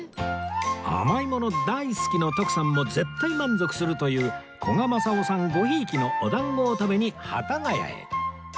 甘いもの大好きの徳さんも絶対満足するという古賀政男さんごひいきのお団子を食べに幡ヶ谷へ